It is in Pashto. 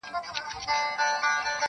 • يو كيسه مي اورېدلې ده يارانو -